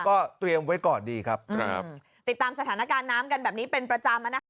ก็เตรียมไว้ก่อนดีครับครับติดตามสถานการณ์น้ำกันแบบนี้เป็นประจำอ่ะนะคะ